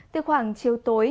từ khoảng chiều tối